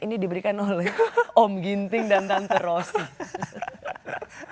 ini diberikan oleh om ginting dan tante rose